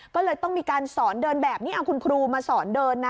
ก็เลยต้องมีการสอนเดินแบบนี้เอาคุณครูมาสอนเดินนะ